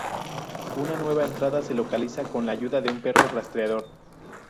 Una nueva entrada se localiza con la ayuda de un perro rastreador.